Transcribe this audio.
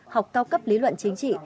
học cao cấp lý luận chính trị